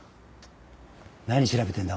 何調べてるんだ？